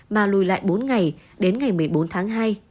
mà lùi lại bốn ngày đến ngày một mươi bốn tháng hai